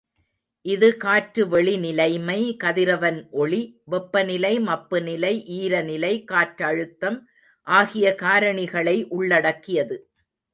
இது காற்றுவெளிநிலைமை, கதிரவன் ஒளி, வெப்பநிலை, மப்புநிலை, ஈரநிலை, காற்றழுத்தம் ஆகிய காரணிகளை உள்ளடக்கியது.